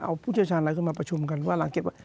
เอาผู้เชี่ยวชาญอะไรเข้ามาประชุมกันว่าหลังเก็บไว้